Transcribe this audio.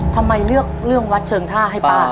ทำไมเลือกเรื่องวัดเชิงท่าให้ป้า